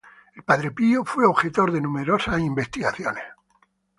El padre Pío fue objeto de numerosas investigaciones.